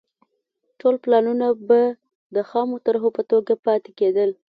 ټول پلانونه به د خامو طرحو په توګه پاتې کېدل.